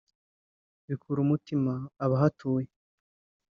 bikura umutima abahatuye